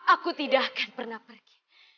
aku tidak akan pernah pergi